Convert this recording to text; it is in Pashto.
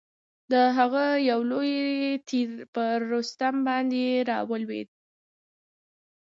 د هغه یو لوی تیر پر رستم باندي را ولوېد.